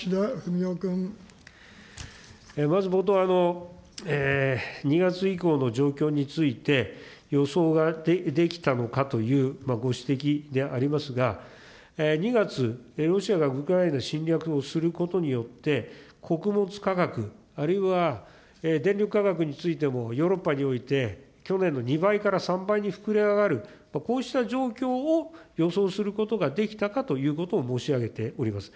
まず、冒頭、２月以降の状況について、予想ができたのかというご指摘でありますが、２月、ロシアがウクライナへの侵略をすることによって、穀物価格、あるいは、電力価格についてもヨーロッパにおいて、去年の２倍から３倍に膨れ上がる、こうした状況を予想することができたかということを申し上げております。